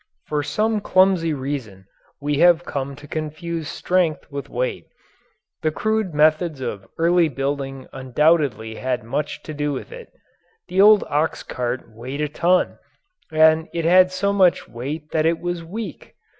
For some clumsy reason we have come to confuse strength with weight. The crude methods of early building undoubtedly had much to do with this. The old ox cart weighed a ton and it had so much weight that it was weak!